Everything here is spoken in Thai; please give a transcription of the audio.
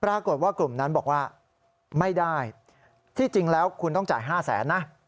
ปรากฏว่ากลุ่มนั้นบอกว่าไม่ได้ที่จริงแล้วคุณต้องจ่าย๕แสนนะ